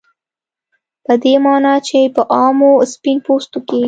په دې معنا چې په عامو سپین پوستو کې